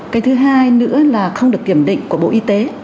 cái thứ hai nữa là không được kiểm định của bộ y tế